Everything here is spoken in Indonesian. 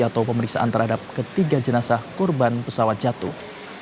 atau pemeriksaan terhadap ketiga jenazah korban pesawat jatuh